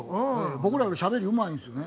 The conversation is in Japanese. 僕らよりしゃべりうまいんですよね。